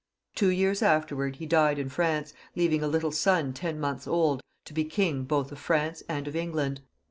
Two years after he died in France, leaving a little son ten months old, to be king both of France and of England.